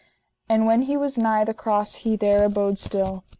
And when he was nigh the cross he there abode still.